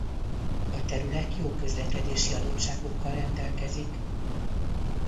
A terület jó közlekedési adottságokkal rendelkezik.